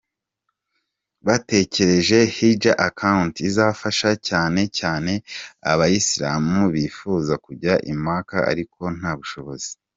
Batekereje “Hidja Account” izafasha cyane cyane abayisilamu bifuza kujya i Maka ariko nta bushobozi.